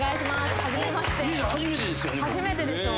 初めてですよね。